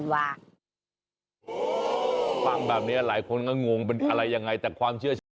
ฟังแบบนี้หลายคนก็งงเป็นอะไรยังไงแต่ความเชื่อชื่อ